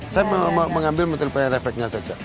saya mengambil metode penyelesaiannya saja